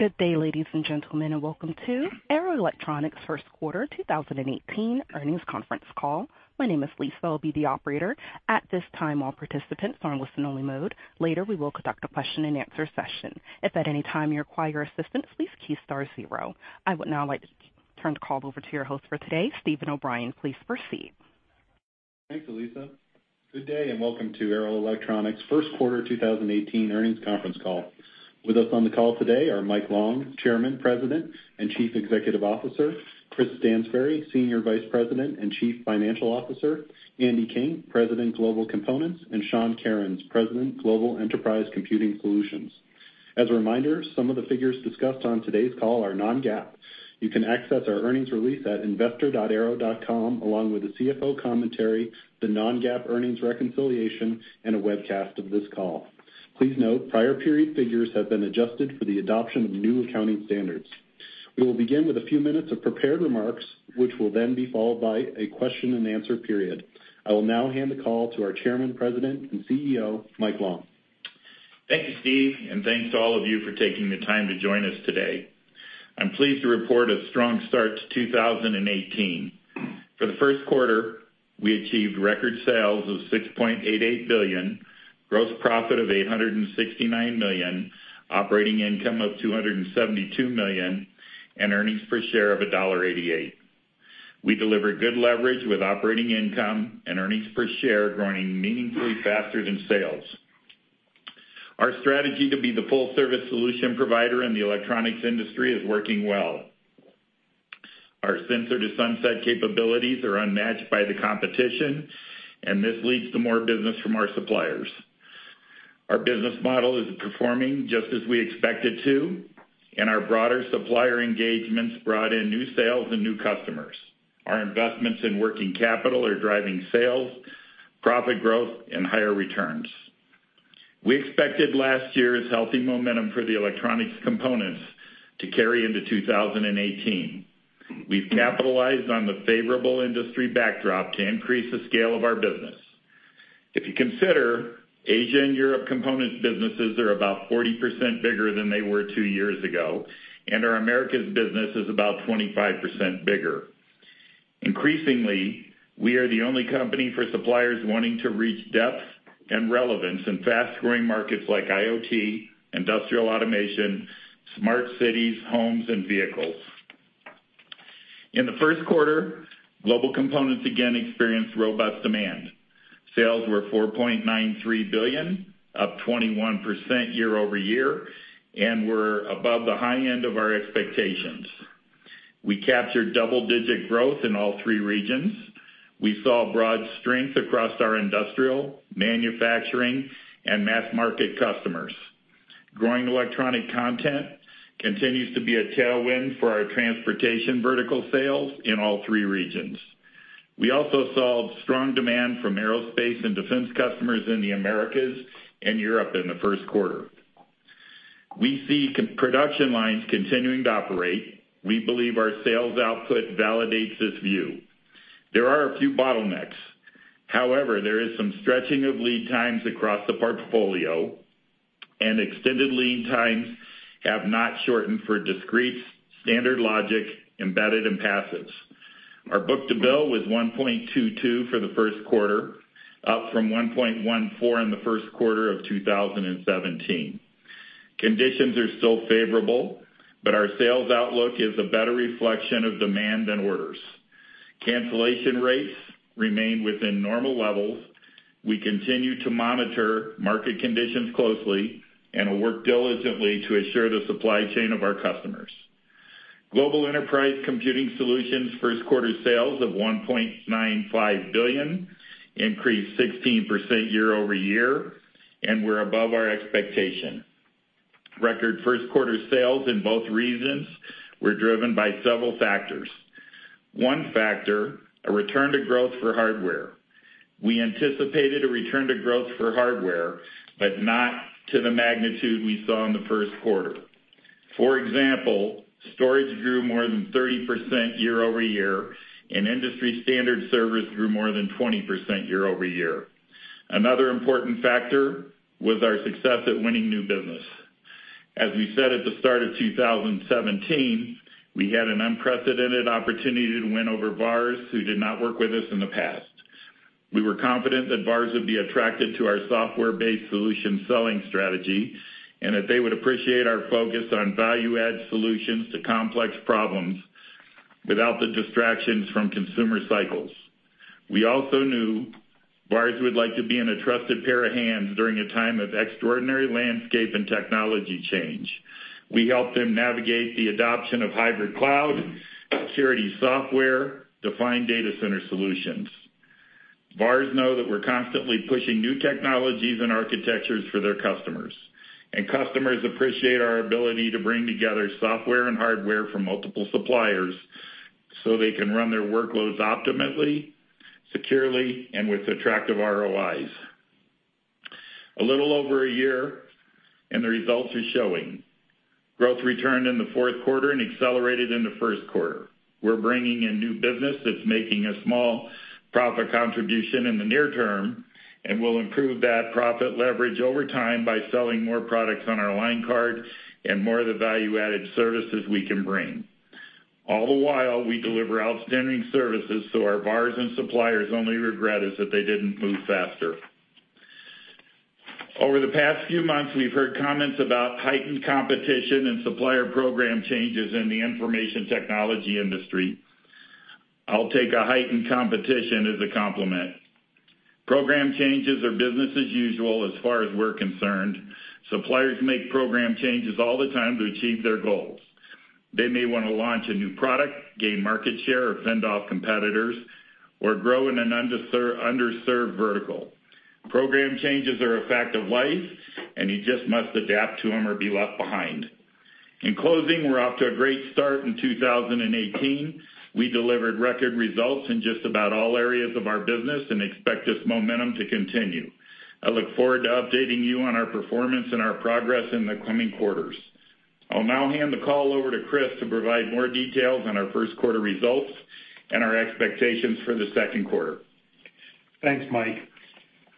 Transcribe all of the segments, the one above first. Good day, ladies and gentlemen, and welcome to Arrow Electronics' First Quarter 2018 Earnings Conference Call. My name is Lisa. I'll be the operator. At this time, all participants are in listen-only mode. Later, we will conduct a question-and-answer session. If at any time you require assistance, please key star zero. I would now like to turn the call over to your host for today, Steven O'Brien. Please proceed. Thanks, Lisa. Good day, and welcome to Arrow Electronics' First Quarter 2018 Earnings Conference Call. With us on the call today are Mike Long, Chairman, President, and Chief Executive Officer, Chris Stansbury, Senior Vice President and Chief Financial Officer, Andy King, President, Global Components, and Sean Kerins, President, Global Enterprise Computing Solutions. As a reminder, some of the figures discussed on today's call are non-GAAP. You can access our earnings release at investor.arrow.com, along with the CFO commentary, the non-GAAP earnings reconciliation, and a webcast of this call. Please note, prior period figures have been adjusted for the adoption of new accounting standards. We will begin with a few minutes of prepared remarks, which will then be followed by a question-and-answer period. I will now hand the call to our Chairman, President, and CEO, Mike Long. Thank you, Steve, and thanks to all of you for taking the time to join us today. I'm pleased to report a strong start to 2018. For the first quarter, we achieved record sales of $6.88 billion, gross profit of $869 million, operating income of $272 million, and earnings per share of $1.88. We delivered good leverage, with operating income and earnings per share growing meaningfully faster than sales. Our strategy to be the full-service solution provider in the electronics industry is working well. Our Sensor to Sunset capabilities are unmatched by the competition, and this leads to more business from our suppliers. Our business model is performing just as we expect it to, and our broader supplier engagements brought in new sales and new customers. Our investments in working capital are driving sales, profit growth, and higher returns. We expected last year's healthy momentum for the electronics components to carry into 2018. We've capitalized on the favorable industry backdrop to increase the scale of our business. If you consider, Asia and Europe components businesses are about 40% bigger than they were two years ago, and our Americas business is about 25% bigger. Increasingly, we are the only company for suppliers wanting to reach depth and relevance in fast-growing markets like IoT, industrial automation, smart cities, homes, and vehicles. In the first quarter, global components again experienced robust demand. Sales were $4.93 billion, up 21% year-over-year, and were above the high end of our expectations. We captured double-digit growth in all three regions. We saw broad strength across our industrial, manufacturing, and mass-market customers. Growing electronic content continues to be a tailwind for our transportation vertical sales in all three regions. We also saw strong demand from aerospace and defense customers in the Americas and Europe in the first quarter. We see production lines continuing to operate. We believe our sales output validates this view. There are a few bottlenecks. However, there is some stretching of lead times across the portfolio, and extended lead times have not shortened for discrete, standard logic, embedded, and passives. Our book-to-bill was 1.22 for the first quarter, up from 1.14 in the first quarter of 2017. Conditions are still favorable, but our sales outlook is a better reflection of demand than orders. Cancellation rates remain within normal levels. We continue to monitor market conditions closely and will work diligently to assure the supply chain of our customers. Global Enterprise Computing Solutions' first quarter sales of $1.95 billion increased 16% year-over-year and were above our expectation. Record first quarter sales in both regions were driven by several factors. One factor, a return to growth for hardware. We anticipated a return to growth for hardware, but not to the magnitude we saw in the first quarter. For example, storage grew more than 30% year-over-year, and industry standard servers grew more than 20% year-over-year. Another important factor was our success at winning new business. As we said at the start of 2017, we had an unprecedented opportunity to win over VARs who did not work with us in the past. We were confident that VARs would be attracted to our software-based solution selling strategy and that they would appreciate our focus on value-add solutions to complex problems without the distractions from consumer cycles. We also knew VARs would like to be in a trusted pair of hands during a time of extraordinary landscape and technology change. We helped them navigate the adoption of hybrid cloud, security software, defined data center solutions. VARs know that we're constantly pushing new technologies and architectures for their customers, and customers appreciate our ability to bring together software and hardware from multiple suppliers, so they can run their workloads optimally, securely, and with attractive ROIs. A little over a year, and the results are showing. Growth returned in the fourth quarter and accelerated in the first quarter. We're bringing in new business that's making a small-... Profit contribution in the near term, and we'll improve that profit leverage over time by selling more products on our line card and more of the value-added services we can bring. All the while, we deliver outstanding services, so our VARs and suppliers' only regret is that they didn't move faster. Over the past few months, we've heard comments about heightened competition and supplier program changes in the information technology industry. I'll take a heightened competition as a compliment. Program changes are business as usual as far as we're concerned. Suppliers make program changes all the time to achieve their goals. They may want to launch a new product, gain market share, or fend off competitors, or grow in an underserved vertical. Program changes are a fact of life, and you just must adapt to them or be left behind. In closing, we're off to a great start in 2018. We delivered record results in just about all areas of our business and expect this momentum to continue. I look forward to updating you on our performance and our progress in the coming quarters. I'll now hand the call over to Chris to provide more details on our first quarter results and our expectations for the second quarter. Thanks, Mike.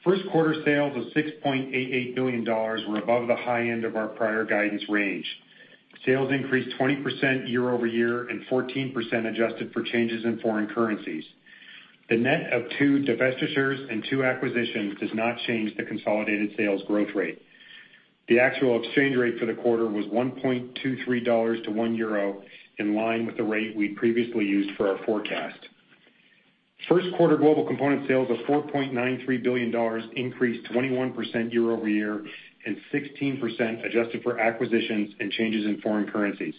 First quarter sales of $6.88 billion were above the high end of our prior guidance range. Sales increased 20% year-over-year and 14% adjusted for changes in foreign currencies. The net of 2 divestitures and 2 acquisitions does not change the consolidated sales growth rate. The actual exchange rate for the quarter was $1.23 to 1 euro, in line with the rate we previously used for our forecast. First quarter Global Components sales of $4.93 billion increased 21% year-over-year and 16% adjusted for acquisitions and changes in foreign currencies.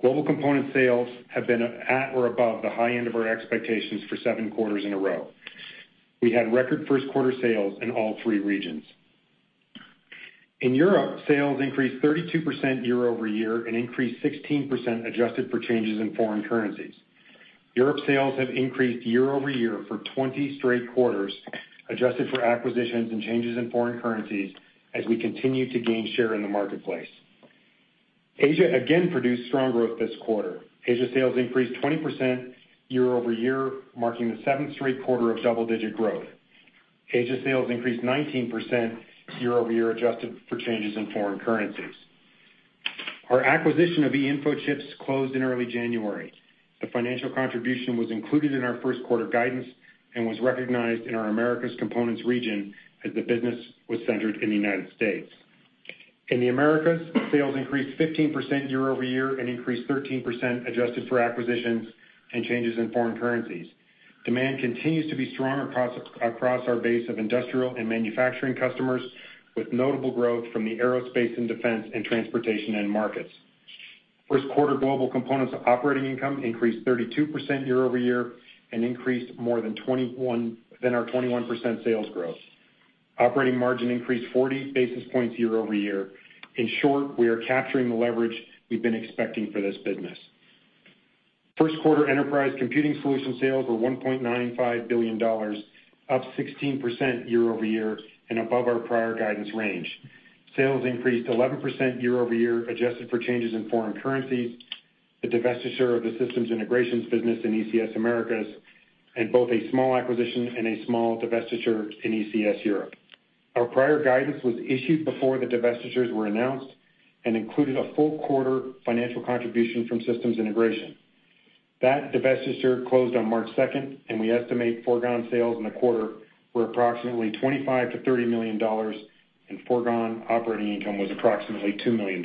Global Components sales have been at or above the high end of our expectations for 7 quarters in a row. We had record first quarter sales in all 3 regions. In Europe, sales increased 32% year-over-year and increased 16% adjusted for changes in foreign currencies. Europe sales have increased year-over-year for 20 straight quarters, adjusted for acquisitions and changes in foreign currencies as we continue to gain share in the marketplace. Asia again produced strong growth this quarter. Asia sales increased 20% year-over-year, marking the seventh straight quarter of double-digit growth. Asia sales increased 19% year-over-year, adjusted for changes in foreign currencies. Our acquisition of eInfochips closed in early January. The financial contribution was included in our first quarter guidance and was recognized in our Americas components region as the business was centered in the United States. In the Americas, sales increased 15% year-over-year and increased 13% adjusted for acquisitions and changes in foreign currencies. Demand continues to be strong across our base of industrial and manufacturing customers, with notable growth from the aerospace and defense and transportation end markets. First quarter, Global Components operating income increased 32% year-over-year and increased more than 21% than our 21% sales growth. Operating margin increased 40 basis points year-over-year. In short, we are capturing the leverage we've been expecting for this business. First quarter Enterprise Computing Solutions sales were $1.95 billion, up 16% year-over-year and above our prior guidance range. Sales increased 11% year-over-year, adjusted for changes in foreign currencies, the divestiture of the systems integrations business in ECS Americas, and both a small acquisition and a small divestiture in ECS Europe. Our prior guidance was issued before the divestitures were announced and included a full quarter financial contribution from systems integration. That divestiture closed on March second, and we estimate foregone sales in the quarter were approximately $25-$30 million, and foregone operating income was approximately $2 million.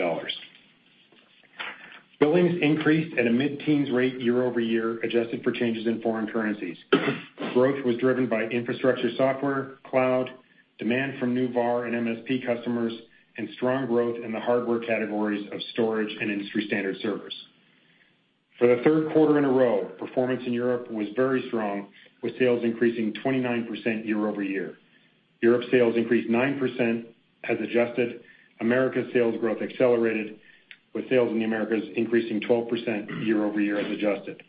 Billings increased at a mid-teens rate year-over-year, adjusted for changes in foreign currencies. Growth was driven by infrastructure, software, cloud, demand from new VAR and MSP customers, and strong growth in the hardware categories of storage and industry-standard servers. For the third quarter in a row, performance in Europe was very strong, with sales increasing 29% year-over-year. Europe sales increased 9% as adjusted. Americas sales growth accelerated, with sales in the Americas increasing 12% year-over-year as adjusted.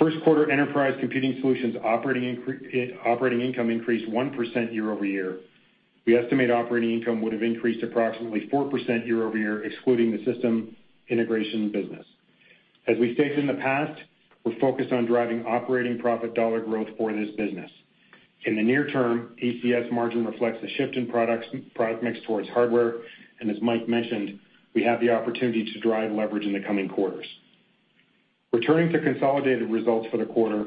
First quarter Enterprise Computing Solutions operating income increased 1% year-over-year. We estimate operating income would have increased approximately 4% year-over-year, excluding the system integration business. As we stated in the past, we're focused on driving operating profit dollar growth for this business. In the near term, ECS margin reflects a shift in products, product mix towards hardware, and as Mike mentioned, we have the opportunity to drive leverage in the coming quarters. Returning to consolidated results for the quarter,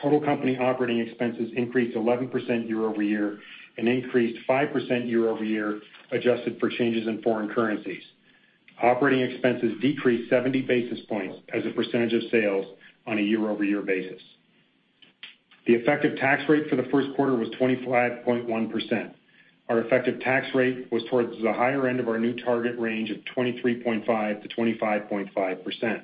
total company operating expenses increased 11% year-over-year and increased 5% year-over-year, adjusted for changes in foreign currencies. Operating expenses decreased 70 basis points as a percentage of sales on a year-over-year basis. The effective tax rate for the first quarter was 25.1%. Our effective tax rate was towards the higher end of our new target range of 23.5%-25.5%.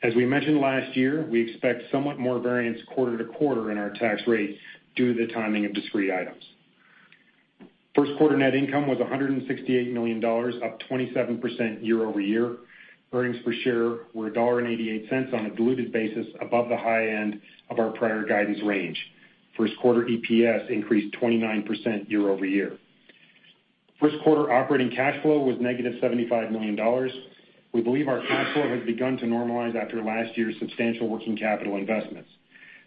As we mentioned last year, we expect somewhat more variance quarter to quarter in our tax rates due to the timing of discrete items. First quarter net income was $168 million, up 27% year-over-year. Earnings per share were $1.88 on a diluted basis, above the high end of our prior guidance range. First quarter EPS increased 29% year-over-year.... First quarter operating cash flow was -$75 million. We believe our cash flow has begun to normalize after last year's substantial working capital investments.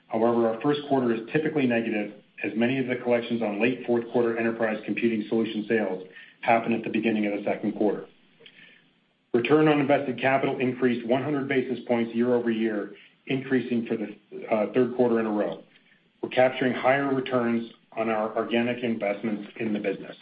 However, our first quarter is typically negative, as many of the collections on late fourth quarter Enterprise Computing Solutions sales happen at the beginning of the second quarter. Return on invested capital increased 100 basis points year-over-year, increasing for the third quarter in a row. We're capturing higher returns on our organic investments in the business.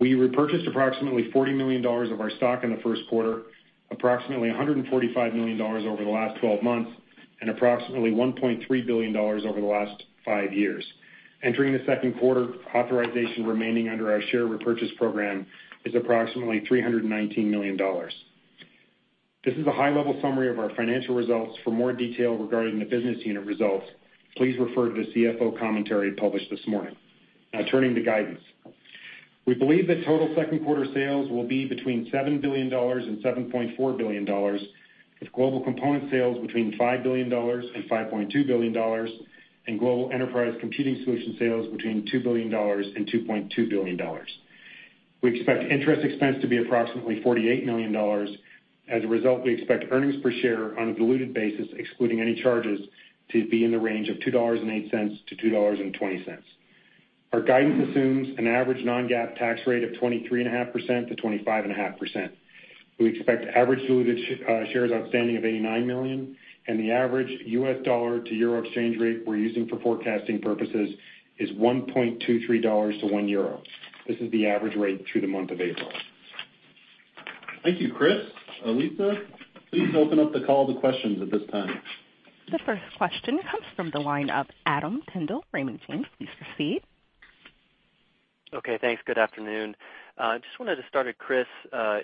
We repurchased approximately $40 million of our stock in the first quarter, approximately $145 million over the last twelve months, and approximately $1.3 billion over the last five years. Entering the second quarter, authorization remaining under our share repurchase program is approximately $319 million. This is a high-level summary of our financial results. For more detail regarding the business unit results, please refer to the CFO commentary published this morning. Now turning to guidance. We believe that total second quarter sales will be between $7 billion and $7.4 billion, with global component sales between $5 billion and $5.2 billion, and global enterprise computing solution sales between $2 billion and $2.2 billion. We expect interest expense to be approximately $48 million. As a result, we expect earnings per share on a diluted basis, excluding any charges, to be in the range of $2.08 to $2.20. Our guidance assumes an average non-GAAP tax rate of 23.5%-25.5%. We expect average diluted shares outstanding of 89 million, and the average US dollar to euro exchange rate we're using for forecasting purposes is $1.23 dollars to 1 euro. This is the average rate through the month of April. Thank you, Chris. Lisa, please open up the call to questions at this time. The first question comes from the line of Adam Tindle, Raymond James. Please proceed. Okay, thanks. Good afternoon. Just wanted to start with Chris.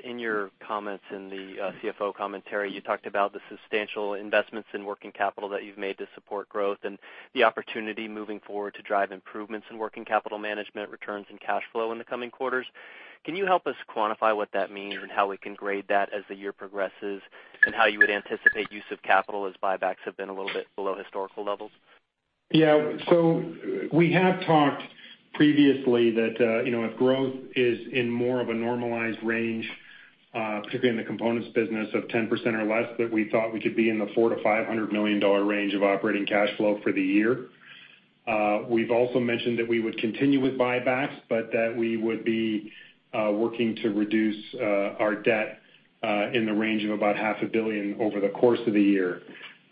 In your comments in the CFO commentary, you talked about the substantial investments in working capital that you've made to support growth and the opportunity moving forward to drive improvements in working capital management, returns and cash flow in the coming quarters. Can you help us quantify what that means and how we can grade that as the year progresses, and how you would anticipate use of capital as buybacks have been a little bit below historical levels? Yeah. So we have talked previously that, you know, if growth is in more of a normalized range, particularly in the components business of 10% or less, that we thought we could be in the $400-$500 million range of operating cash flow for the year. We've also mentioned that we would continue with buybacks, but that we would be, working to reduce, our debt, in the range of about $500 million over the course of the year.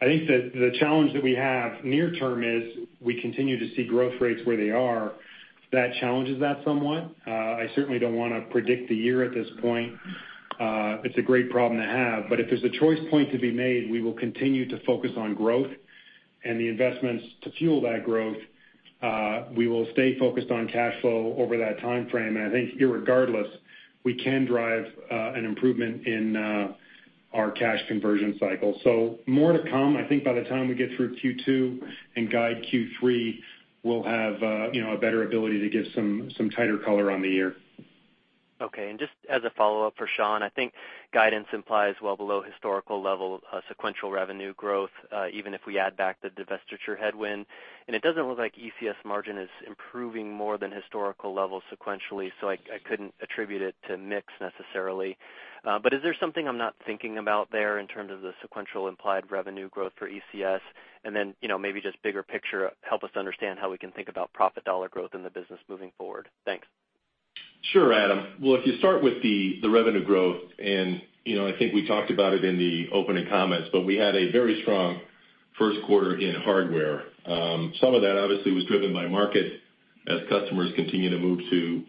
I think that the challenge that we have near term is we continue to see growth rates where they are. That challenges that somewhat. I certainly don't want to predict the year at this point. It's a great problem to have, but if there's a choice point to be made, we will continue to focus on growth and the investments to fuel that growth. We will stay focused on cash flow over that time frame, and I think irregardless, we can drive an improvement in our cash conversion cycle. So more to come. I think by the time we get through Q2 and guide Q3, we'll have you know, a better ability to give some tighter color on the year. Okay. And just as a follow-up for Sean, I think guidance implies well below historical level, sequential revenue growth, even if we add back the divestiture headwind, and it doesn't look like ECS margin is improving more than historical levels sequentially, so I, I couldn't attribute it to mix necessarily. But is there something I'm not thinking about there in terms of the sequential implied revenue growth for ECS? And then, you know, maybe just bigger picture, help us understand how we can think about profit dollar growth in the business moving forward. Thanks. Sure, Adam. Well, if you start with the revenue growth, and, you know, I think we talked about it in the opening comments, but we had a very strong first quarter in hardware. Some of that obviously was driven by market. As customers continue to move to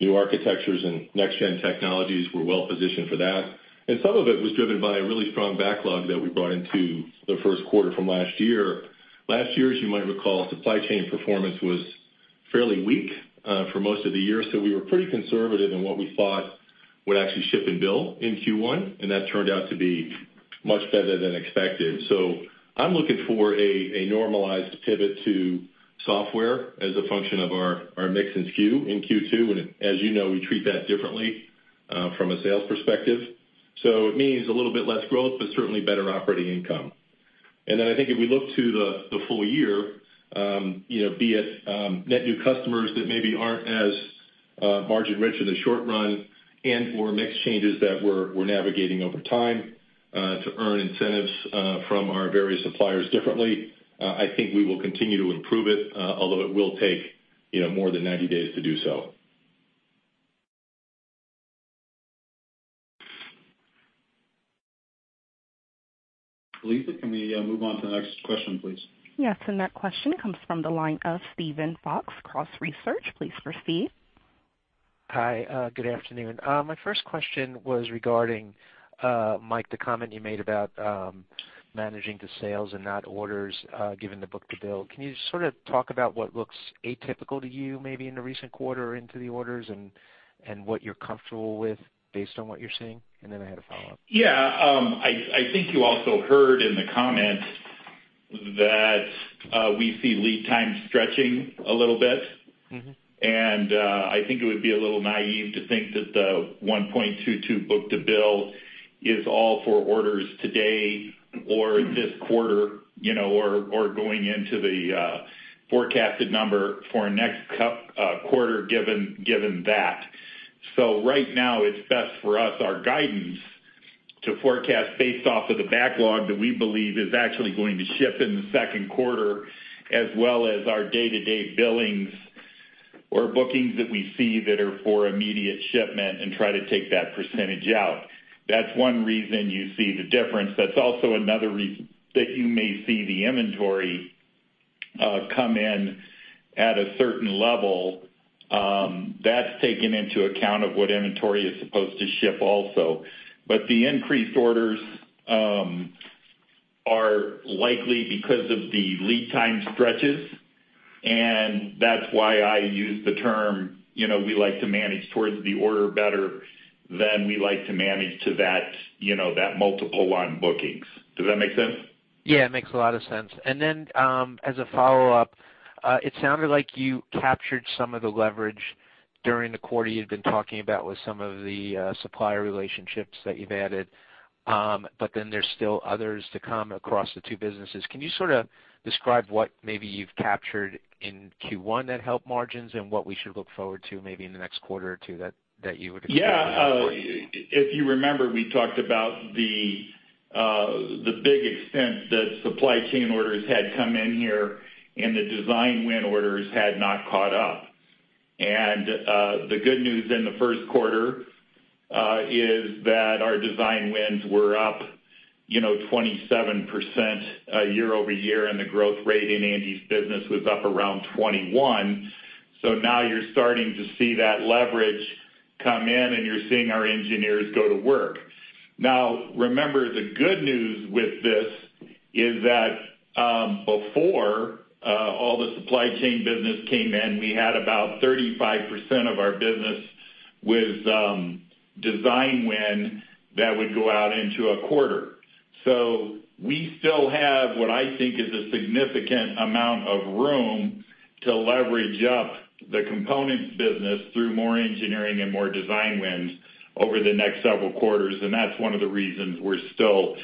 new architectures and next gen technologies, we're well positioned for that. And some of it was driven by a really strong backlog that we brought into the first quarter from last year. Last year, as you might recall, supply chain performance was fairly weak for most of the year, so we were pretty conservative in what we thought would actually ship and bill in Q1, and that turned out to be much better than expected. So I'm looking for a normalized pivot to software as a function of our mix in SKU in Q2. And as you know, we treat that differently from a sales perspective. So it means a little bit less growth, but certainly better operating income. And then I think if we look to the full year, you know, be it net new customers that maybe aren't as margin rich in the short run and/or mix changes that we're navigating over time to earn incentives from our various suppliers differently, I think we will continue to improve it, although it will take, you know, more than 90 days to do so. Lisa, can we move on to the next question, please? Yes, and that question comes from the line of Steven Fox, Cross Research. Please proceed. Hi, good afternoon. My first question was regarding, Mike, the comment you made about, managing the sales and not orders, given the book-to-bill. Can you sort of talk about what looks atypical to you, maybe in the recent quarter or into the orders, and, and what you're comfortable with based on what you're seeing? And then I had a follow-up. Yeah, I think you also heard in the comment that we see lead time stretching a little bit. Mm-hmm. I think it would be a little naive to think that the 1.22 book-to-bill-... is all for orders today or this quarter, you know, or going into the forecasted number for next quarter, given that. So right now, it's best for us, our guidance, to forecast based off of the backlog that we believe is actually going to ship in the second quarter, as well as our day-to-day billings or bookings that we see that are for immediate shipment and try to take that percentage out. That's one reason you see the difference. That's also another reason that you may see the inventory come in at a certain level, that's taken into account of what inventory is supposed to ship also. But the increased orders are likely because of the lead time stretches, and that's why I use the term, you know, we like to manage towards the order better than we like to manage to that, you know, that multiple line bookings. Does that make sense? Yeah, it makes a lot of sense. And then, as a follow-up, it sounded like you captured some of the leverage during the quarter you've been talking about with some of the supplier relationships that you've added, but then there's still others to come across the two businesses. Can you sort of describe what maybe you've captured in Q1 that helped margins and what we should look forward to maybe in the next quarter or two, that you would- Yeah. If you remember, we talked about the big extent that supply chain orders had come in here, and the design win orders had not caught up. And the good news in the first quarter is that our design wins were up, you know, 27%, year-over-year, and the growth rate in Andy's business was up around 21. So now you're starting to see that leverage come in, and you're seeing our engineers go to work. Now, remember, the good news with this is that, before all the supply chain business came in, we had about 35% of our business with design win that would go out into a quarter. So we still have what I think is a significant amount of room to leverage up the components business through more engineering and more design wins over the next several quarters, and that's one of the reasons we're still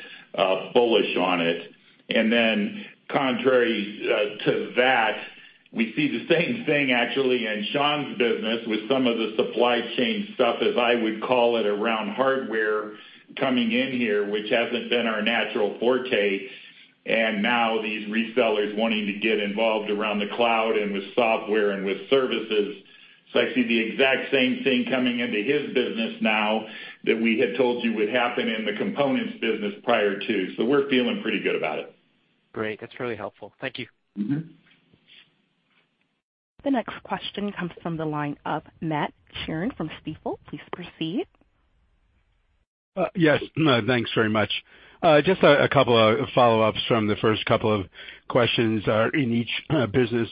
bullish on it. And then contrary to that, we see the same thing actually in Sean's business with some of the supply chain stuff, as I would call it, around hardware coming in here, which hasn't been our natural forte, and now these resellers wanting to get involved around the cloud and with software and with services. So I see the exact same thing coming into his business now that we had told you would happen in the components business prior to. So we're feeling pretty good about it. Great. That's really helpful. Thank you. Mm-hmm. The next question comes from the line of Matt Sheerin from Stifel. Please proceed. Yes. No, thanks very much. Just a couple of follow-ups from the first couple of questions in each business.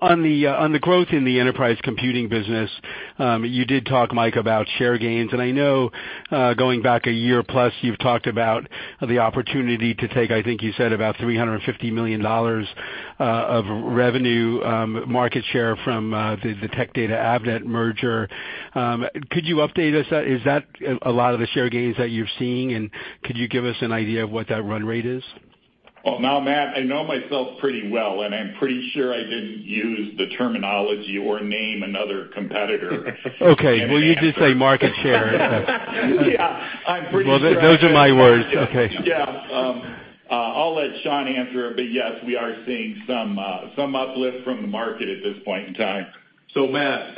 On the growth in the enterprise computing business, you did talk, Mike, about share gains, and I know, going back a year plus, you've talked about the opportunity to take, I think you said, about $350 million of revenue market share from the Tech Data-Avnet merger. Could you update us? Is that a lot of the share gains that you're seeing, and could you give us an idea of what that run rate is? Well, now, Matt, I know myself pretty well, and I'm pretty sure I didn't use the terminology or name another competitor. Okay. Well, you did say market share. Yeah, I'm pretty sure- Well, those are my words. Okay. Yeah. I'll let Sean answer it, but yes, we are seeing some uplift from the market at this point in time. So, Matt,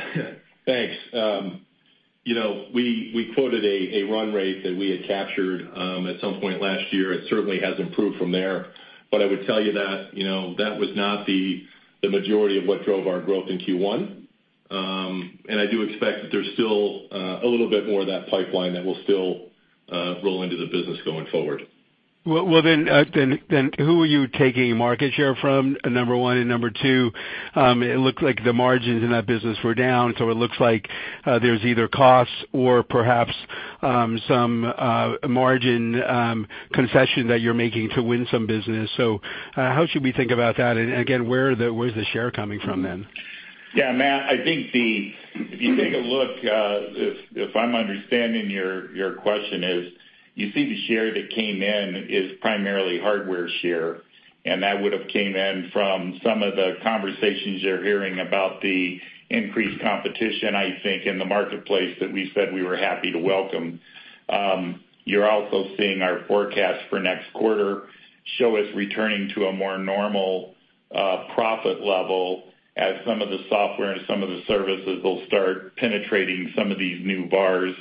thanks. You know, we quoted a run rate that we had captured at some point last year. It certainly has improved from there, but I would tell you that, you know, that was not the majority of what drove our growth in Q1. I do expect that there's still a little bit more of that pipeline that will still roll into the business going forward. Well, well, then, then who are you taking market share from? Number one, and number two, it looked like the margins in that business were down, so it looks like, there's either costs or perhaps, some, margin, concession that you're making to win some business. So, how should we think about that? And again, where's the share coming from then? Yeah, Matt, I think the... If you take a look, if I'm understanding your question is, you see the share that came in is primarily hardware share, and that would've came in from some of the conversations you're hearing about the increased competition, I think, in the marketplace, that we said we were happy to welcome. You're also seeing our forecast for next quarter show us returning to a more normal, profit level as some of the software and some of the services will start penetrating some of these new VARs,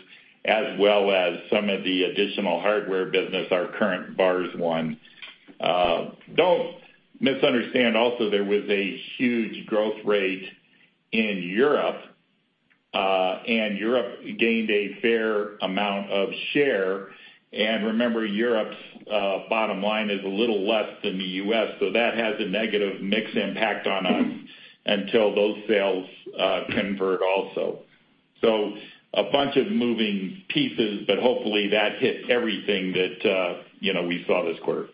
as well as some of the additional hardware business, our current VARs one. Don't misunderstand also, there was a huge growth rate in Europe, and Europe gained a fair amount of share. Remember, Europe's bottom line is a little less than the US, so that has a negative mix impact on us until those sales convert also. A bunch of moving pieces, but hopefully, that hit everything that, you know, we saw this quarter. ...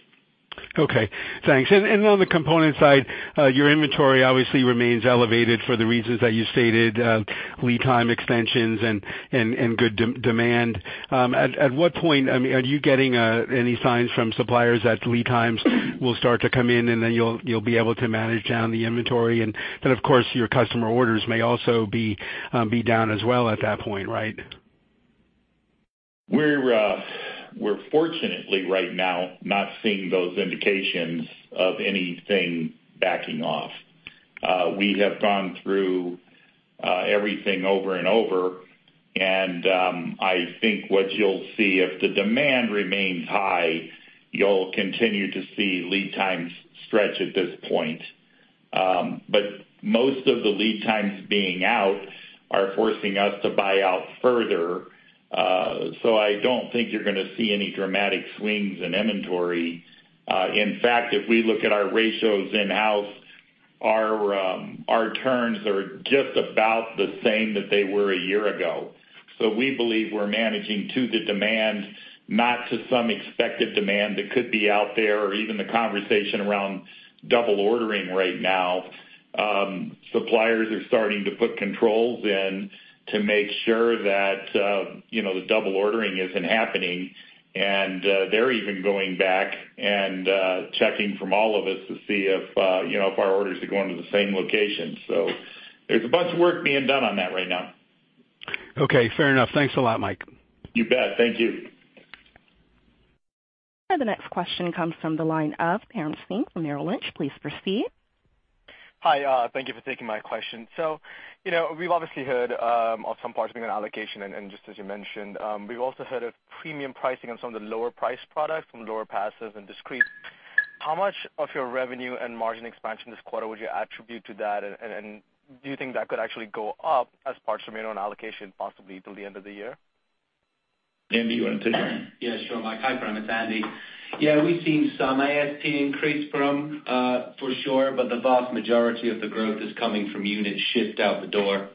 Okay, thanks. And on the component side, your inventory obviously remains elevated for the reasons that you stated, lead time extensions and good demand. At what point, I mean, are you getting any signs from suppliers that lead times will start to come in, and then you'll be able to manage down the inventory? And then, of course, your customer orders may also be down as well at that point, right? We're, we're fortunately right now not seeing those indications of anything backing off. We have gone through everything over and over, and I think what you'll see if the demand remains high, you'll continue to see lead times stretch at this point. But most of the lead times being out are forcing us to buy out further, so I don't think you're gonna see any dramatic swings in inventory. In fact, if we look at our ratios in-house, our our turns are just about the same that they were a year ago. So we believe we're managing to the demand, not to some expected demand that could be out there, or even the conversation around double ordering right now. Suppliers are starting to put controls in to make sure that, you know, the double ordering isn't happening, and they're even going back and checking from all of us to see if, you know, if our orders are going to the same location. So there's a bunch of work being done on that right now. Okay, fair enough. Thanks a lot, Mike. You bet. Thank you. The next question comes from the line of Param Singh from Merrill Lynch. Please proceed. Hi, thank you for taking my question. So, you know, we've obviously heard of some parts being on allocation, and just as you mentioned, we've also heard of premium pricing on some of the lower priced products from lower passives and discrete. How much of your revenue and margin expansion this quarter would you attribute to that, and do you think that could actually go up as parts remain on allocation, possibly till the end of the year? Andy, you want to take that? Yeah, sure, Mike. Hi, Param, it's Andy. Yeah, we've seen some ASP increase from, for sure, but the vast majority of the growth is coming from units shipped out the door,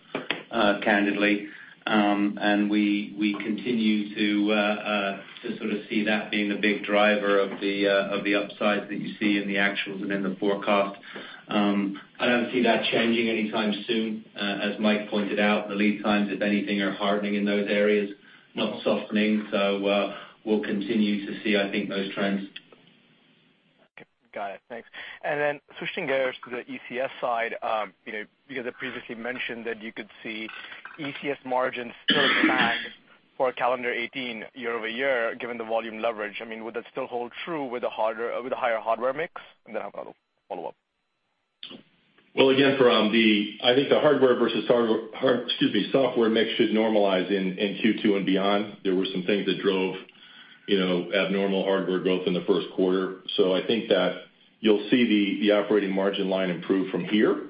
candidly. And we continue to sort of see that being the big driver of the upside that you see in the actuals and in the forecast. I don't see that changing anytime soon. As Mike pointed out, the lead times, if anything, are hardening in those areas, not softening. So, we'll continue to see, I think, those trends. Okay. Got it. Thanks. And then switching gears to the ECS side, you know, because I previously mentioned that you could see ECS margins still expand for calendar 2018 year-over-year, given the volume leverage. I mean, would that still hold true with a harder, with a higher hardware mix? And then I have a follow-up. Well, again, Param, I think the hardware versus software mix should normalize in Q2 and beyond. There were some things that drove, you know, abnormal hardware growth in the first quarter. So I think that you'll see the operating margin line improve from here.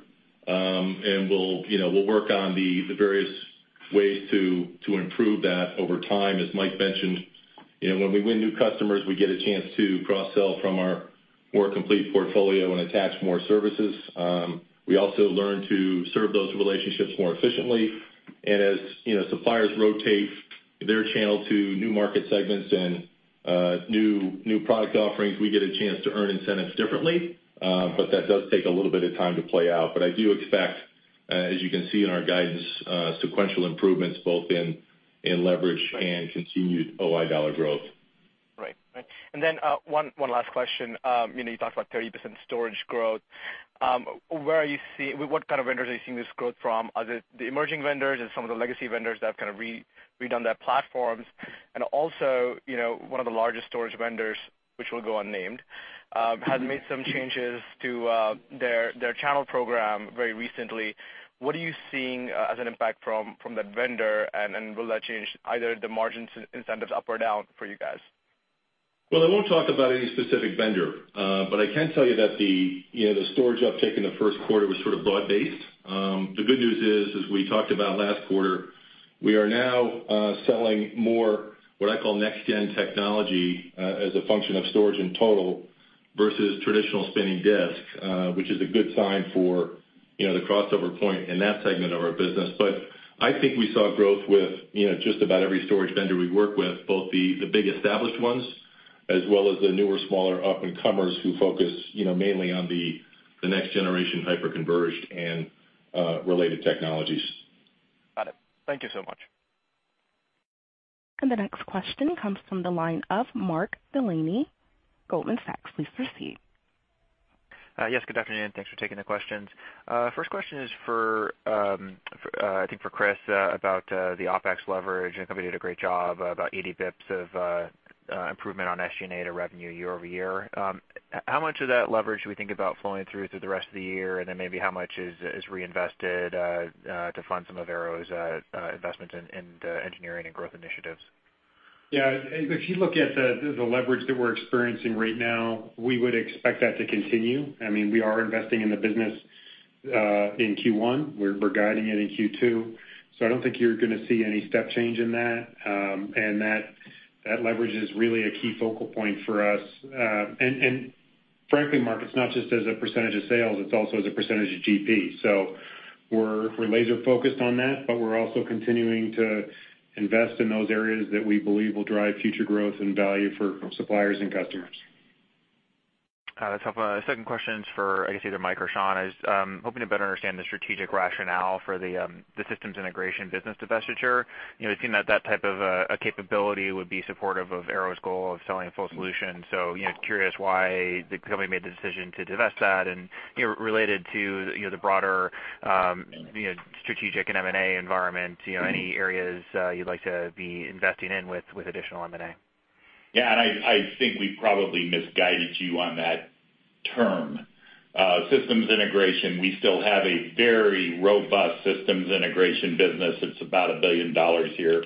And we'll, you know, we'll work on the various ways to improve that over time. As Mike mentioned, you know, when we win new customers, we get a chance to cross-sell from our more complete portfolio and attach more services. We also learn to serve those relationships more efficiently, and as, you know, suppliers rotate their channel to new market segments and new product offerings, we get a chance to earn incentives differently, but that does take a little bit of time to play out. But I do expect, as you can see in our guidance, sequential improvements both in leverage and continued OI dollar growth. Right. Right. And then, one last question. You know, you talked about 30% storage growth. What kind of vendors are you seeing this growth from? Are they the emerging vendors and some of the legacy vendors that have kind of redone their platforms? And also, you know, one of the largest storage vendors, which will go unnamed, has made some changes to their channel program very recently. What are you seeing as an impact from that vendor? And will that change either the margins incentives up or down for you guys? Well, I won't talk about any specific vendor, but I can tell you that the, you know, the storage uptick in the first quarter was sort of broad-based. The good news is, as we talked about last quarter, we are now selling more, what I call next gen technology, as a function of storage in total versus traditional spinning disk, which is a good sign for, you know, the crossover point in that segment of our business. But I think we saw growth with, you know, just about every storage vendor we work with, both the big established ones, as well as the newer, smaller up-and-comers who focus, you know, mainly on the next generation hyper-converged and related technologies. Got it. Thank you so much. The next question comes from the line of Mark Delaney, Goldman Sachs. Please proceed. Yes, good afternoon. Thanks for taking the questions. First question is for, I think for Chris, about the OpEx leverage, and company did a great job, about 80 basis points of improvement on SG&A to revenue year-over-year. How much of that leverage should we think about flowing through to the rest of the year? And then maybe how much is reinvested to fund some of Arrow's investments in the engineering and growth initiatives? Yeah, if you look at the leverage that we're experiencing right now, we would expect that to continue. I mean, we are investing in the business in Q1. We're guiding it in Q2, so I don't think you're gonna see any step change in that. And that leverage is really a key focal point for us. And frankly, Mark, it's not just as a percentage of sales, it's also as a percentage of GP. So-... We're laser focused on that, but we're also continuing to invest in those areas that we believe will drive future growth and value for suppliers and customers. That's helpful. Second question is for, I guess, either Mike or Sean. I was hoping to better understand the strategic rationale for the systems integration business divestiture. You know, it seemed that type of a capability would be supportive of Arrow's goal of selling a full solution. So, you know, curious why the company made the decision to divest that, and, you know, related to, you know, the broader, you know, strategic and M&A environment, you know, any areas you'd like to be investing in with additional M&A? Yeah, and I think we probably misguided you on that term. Systems integration, we still have a very robust systems integration business. It's about $1 billion a year.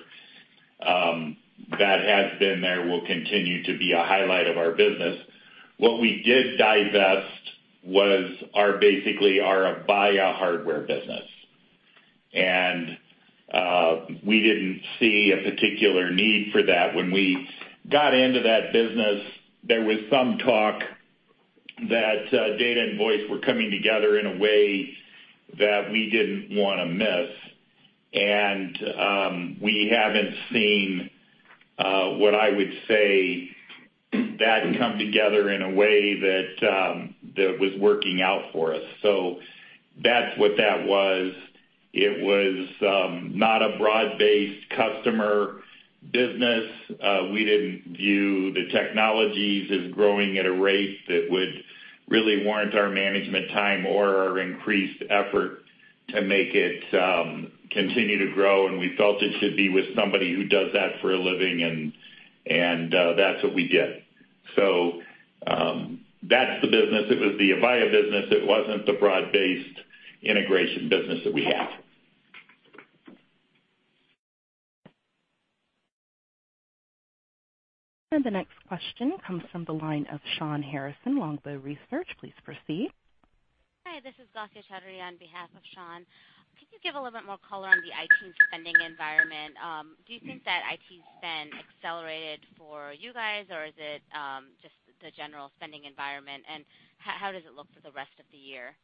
That has been there, will continue to be a highlight of our business. What we did divest was our, basically, our Avaya hardware business. We didn't see a particular need for that. When we got into that business, there was some talk that data and voice were coming together in a way that we didn't wanna miss, and we haven't seen what I would say, that come together in a way that that was working out for us. So that's what that was. It was not a broad-based customer business. We didn't view the technologies as growing at a rate that would really warrant our management time or our increased effort to make it continue to grow, and we felt it should be with somebody who does that for a living, and that's what we did. So, that's the business. It was the Avaya business. It wasn't the broad-based integration business that we have. The next question comes from the line of Shawn Harrison, Longbow Research. Please proceed. Hi, this is Gausia Chowdhury on behalf of Shawn. Could you give a little bit more color on the IT spending environment? Do you think that IT spend accelerated for you guys, or is it just the general spending environment, and how, how does it look for the rest of the year?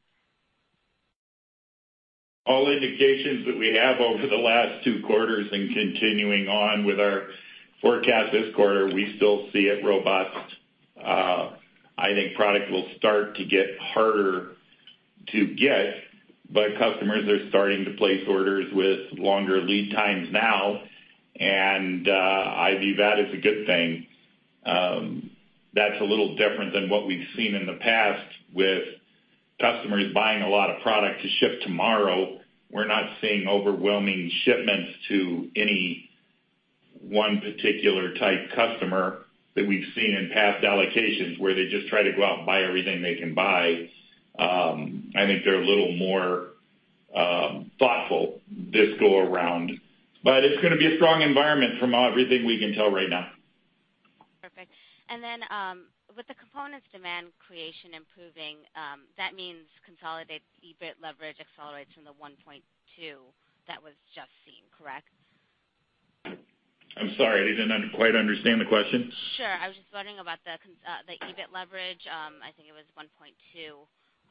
All indications that we have over the last two quarters and continuing on with our forecast this quarter, we still see it robust. I think product will start to get harder to get, but customers are starting to place orders with longer lead times now, and I view that as a good thing. That's a little different than what we've seen in the past with customers buying a lot of product to ship tomorrow. We're not seeing overwhelming shipments to any one particular type customer that we've seen in past allocations, where they just try to go out and buy everything they can buy. I think they're a little more thoughtful this go around. But it's gonna be a strong environment from everything we can tell right now. Perfect. And then, with the components demand creation improving, that means consolidated EBIT leverage accelerates from the 1.2 that was just seen, correct? I'm sorry, I didn't quite understand the question. Sure. I was just wondering about the EBIT leverage. I think it was 1.2, and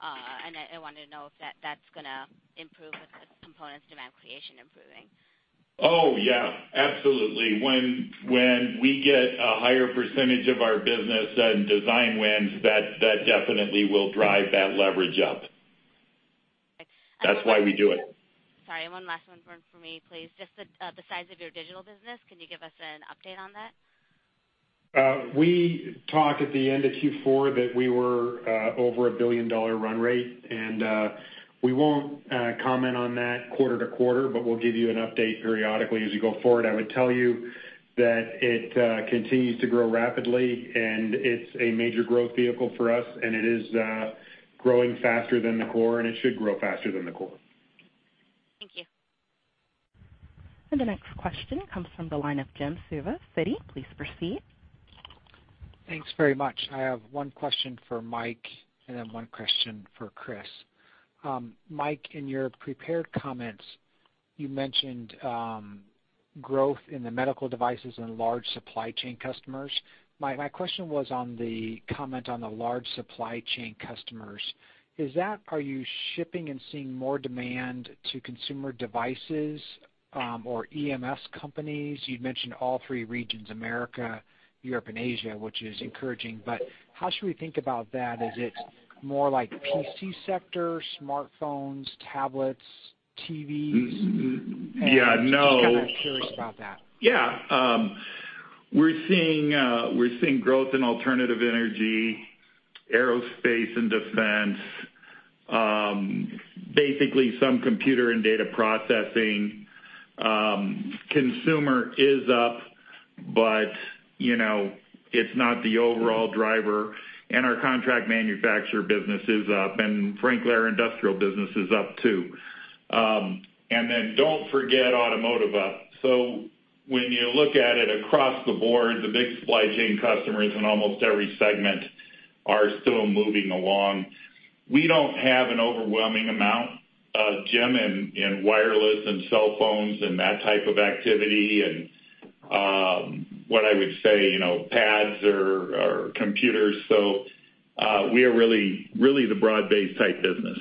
I wanted to know if that's gonna improve with the components demand creation improving. Oh, yeah, absolutely. When, when we get a higher percentage of our business and design wins, that, that definitely will drive that leverage up. Okay. That's why we do it. Sorry, one last one from me, please. Just the size of your digital business, can you give us an update on that? We talked at the end of Q4 that we were over a billion-dollar run rate, and we won't comment on that quarter to quarter, but we'll give you an update periodically as we go forward. I would tell you that it continues to grow rapidly, and it's a major growth vehicle for us, and it is growing faster than the core, and it should grow faster than the core. Thank you. The next question comes from the line of Jim Suva, Citi. Please proceed. Thanks very much. I have one question for Mike and then one question for Chris. Mike, in your prepared comments, you mentioned, growth in the medical devices and large supply chain customers. My, my question was on the comment on the large supply chain customers. Is that, are you shipping and seeing more demand to consumer devices, or EMS companies? You'd mentioned all three regions, America, Europe and Asia, which is encouraging, but how should we think about that? Is it more like PC sector, smartphones, tablets, TVs? Yeah, no- Just kind of curious about that. Yeah, we're seeing, we're seeing growth in alternative energy, aerospace and defense, basically some computer and data processing. Consumer is up, but, you know, it's not the overall driver, and our contract manufacturer business is up, and frankly, our industrial business is up, too. And then don't forget automotive up. So when you look at it across the board, the big supply chain customers in almost every segment are still moving along. We don't have an overwhelming amount, Jim, in wireless and cell phones and that type of activity and-... what I would say, you know, pads or, or computers. So, we are really, really the broad-based type business.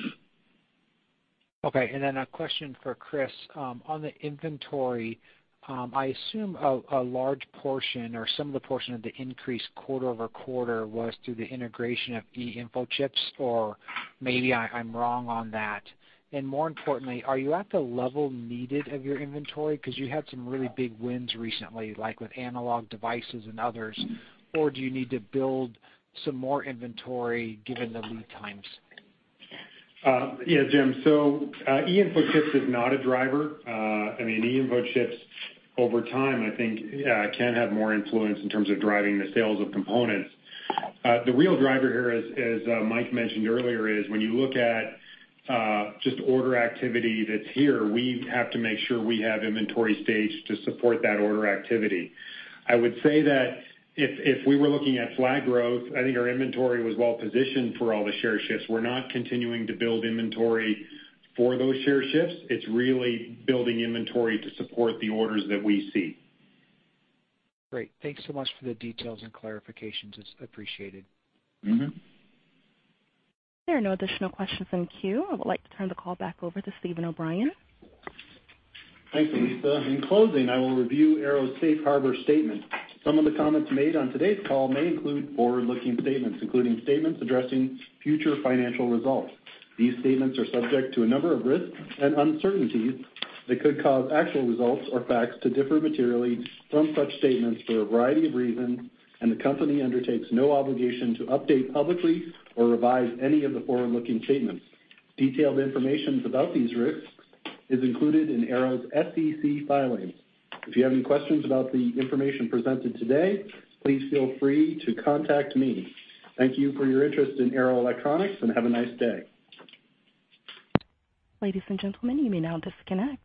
Okay. And then a question for Chris. On the inventory, I assume a large portion or some of the portion of the increase quarter-over-quarter was through the integration of E-infochips, or maybe I'm wrong on that. And more importantly, are you at the level needed of your inventory? Because you had some really big wins recently, like with Analog Devices and others, or do you need to build some more inventory given the lead times? Yeah, Jim, so, eInfochips is not a driver. I mean, eInfochips, over time, I think, can have more influence in terms of driving the sales of components. The real driver here is, as Mike mentioned earlier, is when you look at just order activity that's here, we have to make sure we have inventory staged to support that order activity. I would say that if, if we were looking at flat growth, I think our inventory was well positioned for all the share shifts. We're not continuing to build inventory for those share shifts. It's really building inventory to support the orders that we see. Great. Thanks so much for the details and clarifications. It's appreciated. Mm-hmm. There are no additional questions in the queue. I would like to turn the call back over to Steven O'Brien. Thanks, Lisa. In closing, I will review Arrow's Safe Harbor statement. Some of the comments made on today's call may include forward-looking statements, including statements addressing future financial results. These statements are subject to a number of risks and uncertainties that could cause actual results or facts to differ materially from such statements for a variety of reasons, and the company undertakes no obligation to update publicly or revise any of the forward-looking statements. Detailed information about these risks is included in Arrow's SEC filings. If you have any questions about the information presented today, please feel free to contact me. Thank you for your interest in Arrow Electronics, and have a nice day. Ladies and gentlemen, you may now disconnect.